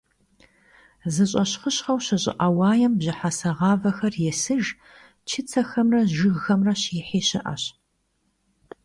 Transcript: Zeş'eşkhışkheu şış'ı'e vuaêm bjıhese ğavexer yêsıjj, çıtsexemre jjıgxemre şihi şı'eş.